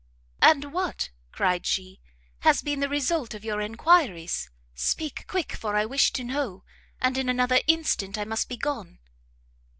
"And what," cried she, "has been the result of your enquiries? Speak quick, for I wish to know, and in another instant I must be gone."